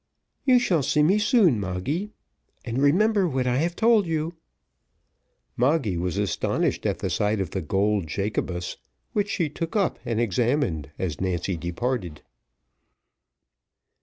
You shall see me soon, Moggy; and remember what I have told you." Moggy was astonished at the sight of the gold Jacobus, which she took up and examined as Nancy departed.